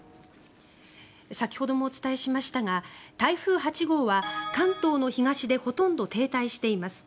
先ほどもお伝えしましたが台風８号は関東の東でほとんど停滞しています。